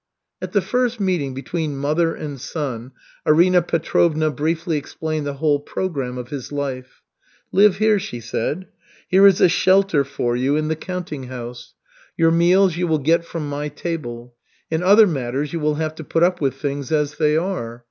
At the first meeting between mother and son, Arina Petrovna briefly explained the whole program of his life. "Live here," she said. "Here is a shelter for you in the counting house. Your meals you will get from my table. In other matters you will have to put up with things as they are.